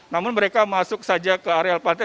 namun mereka masuk saja ke areal pantai